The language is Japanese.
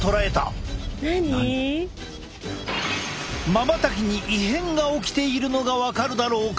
まばたきに異変が起きているのが分かるだろうか。